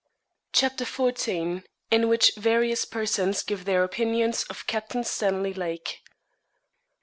CHAPTER XIV. IN WHICH VARIOUS PERSONS GIVE THEIR OPINIONS OF CAPTAIN STANLEY LAKE.